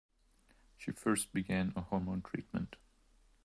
She first began a hormone treatment.